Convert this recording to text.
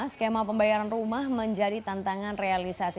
skema pembayaran rumah menjadi tantangan realisasi